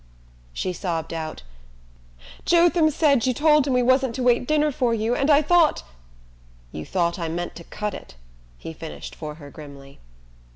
She sobbed out: "Jotham said you told him we wasn't to wait dinner for you, and I thought " "You thought I meant to cut it?" he finished for her grimly.